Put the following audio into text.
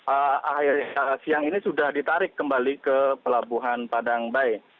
akhirnya siang ini sudah ditarik kembali ke pelabuhan padangbae